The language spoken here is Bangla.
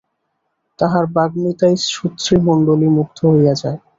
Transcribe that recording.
তাঁহার বাগ্মিতায় শ্রোতৃমণ্ডলী মুগ্ধ হইয়া যায়।